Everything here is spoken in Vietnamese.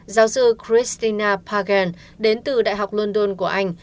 giáo sư christina pagen đến từ đại học london của anh